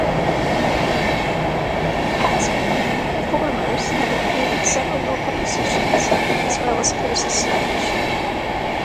Past performers have included several local musicians as well as Percy Sledge.